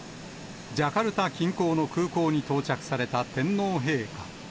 ジャカルタ近郊の空港に到着された天皇陛下。